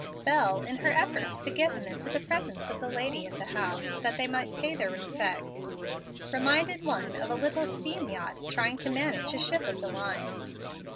Bel, in her efforts to get him into the presence of the lady of the house, that they might pay their respects, reminded one of a little steam yacht trying to manage a ship of the line.